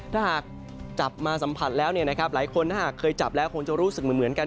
ถ้าหากจับมาสัมผัสแล้วหลายคนถ้าหากเคยจับแล้วคงจะรู้สึกเหมือนกัน